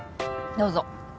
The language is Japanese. どうぞ。